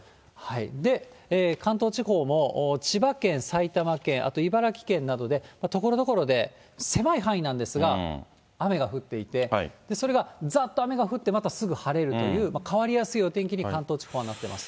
で、関東地方も千葉県、埼玉県、あと茨城県などで、ところどころで狭い範囲なんですが、雨が降っていて、それがざっと雨が降って、またすぐ晴れるという、変わりやすいお天気に関東地方はなってます。